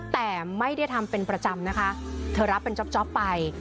แต่ไม่ได้ทำเป็นประจำนะคะเธอรับเป็นจ๊อปไป